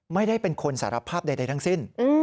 ไม่ได้เป็นคนสารภาพใดทั้งสิ้น